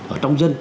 ở trong dân